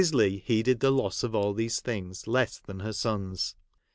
Leigh heeded the loss of all these things less than her sons.